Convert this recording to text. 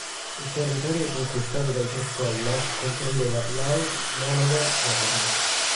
Il territorio conquistato dai Tre Colla comprendeva Louth, Monaghan e Armagh.